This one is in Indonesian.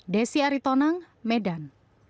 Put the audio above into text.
desi aritonang medan